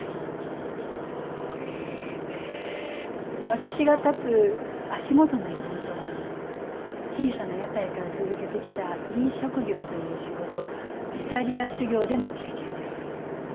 私が立つ足元の泉とは小さな屋台から続けてきた飲食業という仕事イタリア修業での経験です。